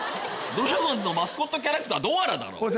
ドラゴンズのマスコットキャラクタードアラだろ！